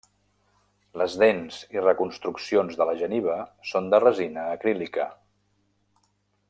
Les dents i reconstruccions de la geniva són de resina acrílica.